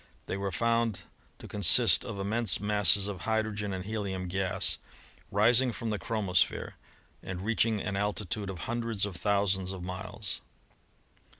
They were found to consist of immense masses of hydrogen and helium gas rising from the chromosphere and reaching an altitude of hundreds of thousands of miles.